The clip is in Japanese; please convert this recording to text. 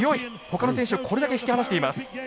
ほかの選手を引き離しています。